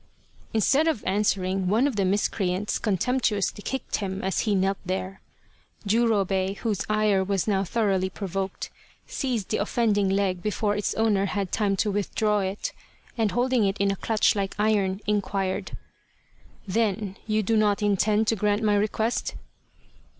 Instead of answering, one of the miscreants con temptuously kicked him as he knelt there. Jurobei, whose ire was now thoroughly provoked, seized the offending leg before its owner had time to withdraw it, and holding it in a clutch like iron, in quired :" Then you do not intend to grant my request